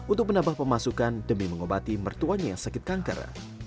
untuk menambah pemasukan demi mengobati mertuanya yang sakit kanker